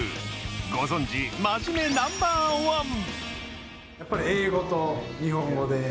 ご存じ、真面目ナンバーワン。